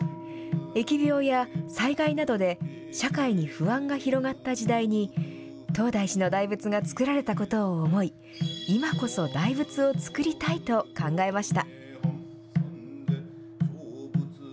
疫病や災害などで社会に不安が広がった時代に、東大寺の大仏がつくられたことを思い、今こそ大仏をつくりたいと考えました。